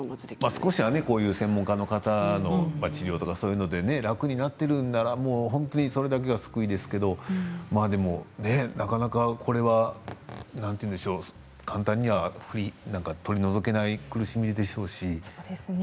少しは専門家の方の治療で楽になっているから本当にそれだけが救いですけどでもね、なかなかこれは簡単には取り除けない苦しみでしょうし。